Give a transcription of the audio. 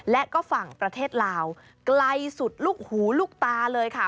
และก็ฝั่งประเทศลาวไกลสุดลูกหูลูกตาเลยค่ะ